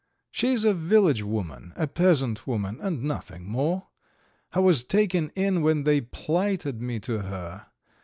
She's a village woman, a peasant woman, and nothing more. I was taken in when they plighted me to her.